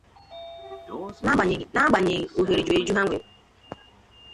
n'agbanyeghị ohere juru eju ha nwere